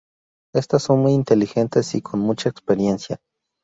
Estas son muy inteligentes y con mucha experiencia.